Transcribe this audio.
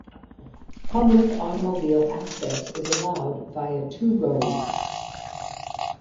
Public automobile access is allowed via two roads.